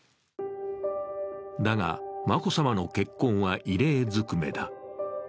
だが、眞子さまの結婚は異例ずくめだ。